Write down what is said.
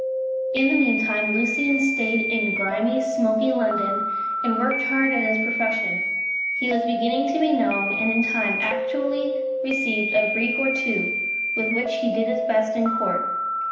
In the meantime, Lucian stayed in grimy, smoky London, and worked hard at his profession. He was beginning to be known, and in time actually received a brief or two, with which he did his best in court.